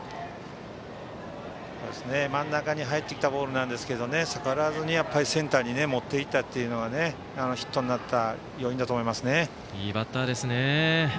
真ん中に入ってきたボールなんですが逆らわずにセンターに持っていったというのがいいバッターですね。